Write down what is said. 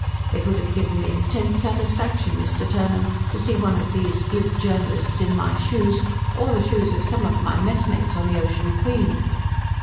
It would have given me intense satisfaction, Mr. Turnham, to see one of those glib journalists in my shoes, or the shoes of some of my messmates on the OCEAN QUEEN.